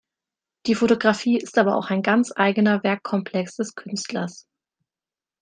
Die Fotografie ist aber auch ein ganz eigener Werkkomplex des Künstlers.